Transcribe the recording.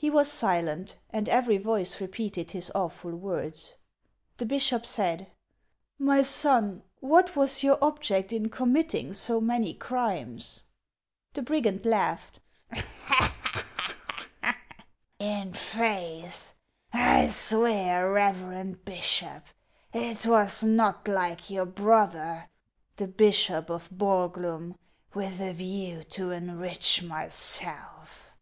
Hi was silent, and every voice repeated his awful word*. The bishop said: "My son, what was your object in committing so many crimes ?" The brigand laughed :" F faith, I swear, reverend Bi>Loj». it was not like your brother, the bishop of Borglum, with a view to enrich my self.